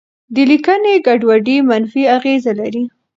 د لیکنې ګډوډي منفي اغېزه لري.